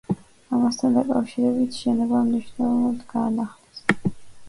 ამასთან დაკავშირებით შენობა მნიშვნელოვნად განაახლეს.